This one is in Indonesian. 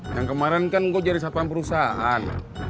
yang kemarin kan gua jadi satpam perusahaan